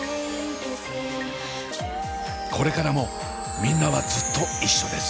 これからもみんなはずっと一緒です。